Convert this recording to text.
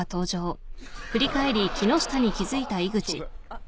あっ。